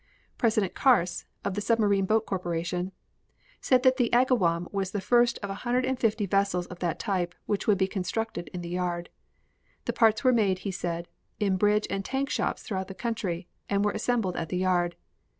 President Carse, of the Submarine Boat Corporation, said that the Agawam was the first of a hundred and fifty vessels of that type which would be constructed in the yard. The parts were made, he said, in bridge and tank shops throughout the country and were assembled at the yard.